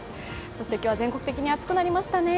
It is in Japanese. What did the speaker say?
そして今日は全国的に暑くなりましたね。